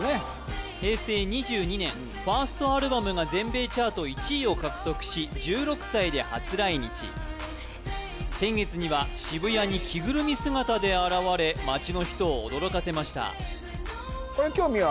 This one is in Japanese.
平成２２年ファーストアルバムが全米チャート１位を獲得し１６歳で初来日先月には渋谷に着ぐるみ姿で現れ街の人を驚かせましたこれ興味は？